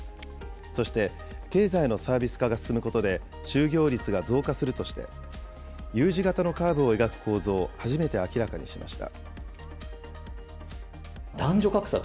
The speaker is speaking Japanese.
そして、経済のサービス化が進むことで就業率が増加するとして、Ｕ字型のカーブを描く構造を初めて明らかにしました。